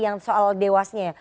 yang soal dewasanya